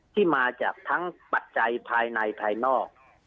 ที่มาจากทั้งปัจจัยภายในภายนอก